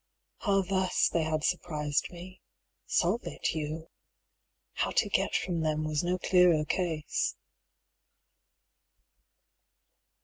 How thus they had surprised me solve it, you! How to get from them was no clearer case.